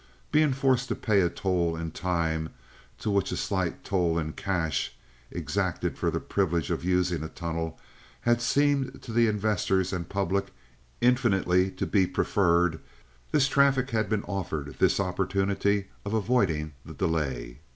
Being forced to pay a toll in time to which a slight toll in cash, exacted for the privilege of using a tunnel, had seemed to the investors and public infinitely to be preferred, this traffic had been offered this opportunity of avoiding the delay.